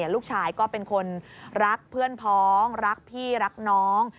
ลูกชายก็เป็นคนรักเพื่อนพ้องรักพี่รักน้อง